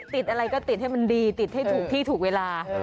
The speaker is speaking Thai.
ติดอะไรก็ติดให้มันดีติดให้ถูกที่ถูกเวลา